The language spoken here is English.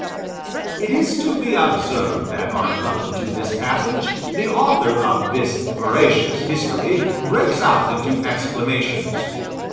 It is to be observed, that on coming to this passage, the author of this veracious history breaks out into exclamations.